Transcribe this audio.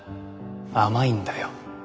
甘いんだよ。